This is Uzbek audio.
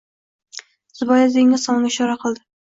Zubayda dengiz tomonga ishora qildi